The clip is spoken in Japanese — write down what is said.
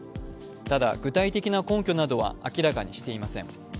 ただ具体的な根拠などは明らかにしていません。